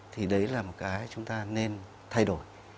thì đấy là một cái chúng ta nên thay đổi